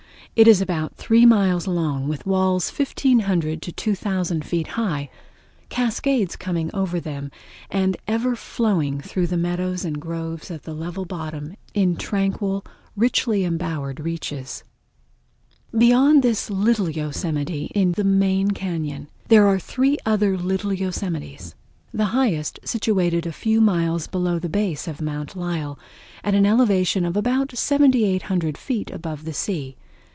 It is about three miles long, with walls 1500 to 2000 feet high, cascades coming over them, and the ever flowing through the meadows and groves of the level bottom in tranquil, richly embowered reaches. Beyond this Little Yosemite in the main cañon, there are three other little yosemites, the highest situated a few miles below the base of Mount Lyell, at an elevation of about 7800 feet above the sea.